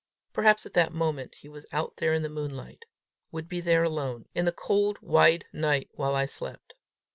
Perhaps at that moment he was out there in the moonlight, would be there alone, in the cold, wide night, while I slept!